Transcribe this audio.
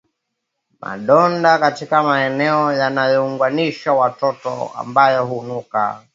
Madonda katika maeneo yanayounganisha kwato ambayo hunuka